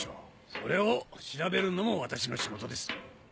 それを調べるのも私の仕事です。